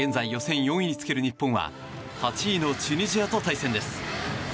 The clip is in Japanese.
現在、予選４位につける日本は８位のチュニジアと対戦です。